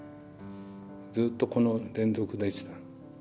ずっとこの連続でした。